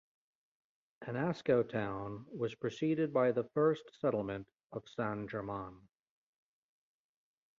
Anasco town was preceded by the first settlement of San German.